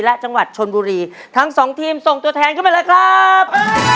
และจังหวัดชนบุรีทั้งสองทีมส่งตัวแทนขึ้นไปเลยครับ